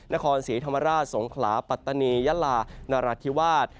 นครศรีธรรมราชสงขลาปัตตานียะลานราธิวาส